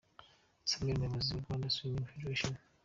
Samuel umuyobozi wa Rwanda Swiming Federation.